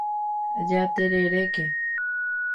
Jatereréke.